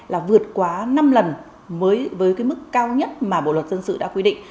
là vượt quá năm lần với cái mức cao nhất mà bộ luật dân sự đã quy định